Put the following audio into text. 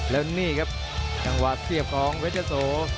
แล้วนี่ครับจังหวัดเสียบของเวทเจ้าโส